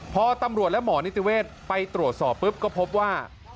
พอตำรวจและหมอนิติเวศไปตรวจสอบปุ๊บก็พบว่า